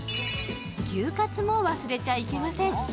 牛カツも忘れちゃいけません。